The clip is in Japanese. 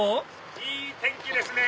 いい天気ですね！